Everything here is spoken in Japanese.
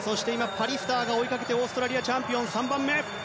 パリスターが追いかけてオーストラリアチャンピオン３番目。